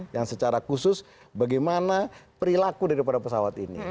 yang secara khusus bagaimana perilaku daripada pesawat ini